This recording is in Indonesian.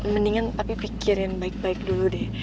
mendingan tapi pikirin baik baik dulu deh